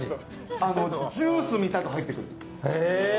ジュースみたいに入ってくる。